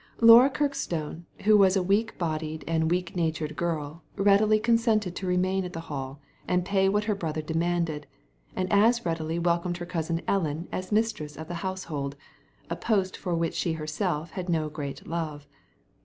Laura Kirkstone, who was a weak bodied and wcak natured girl, readily consented to remain at the Hall, and pay what her brother demanded, and as readily welcomed her cousin Ellen as mistress of the house hold, a post for which she herself had no great love.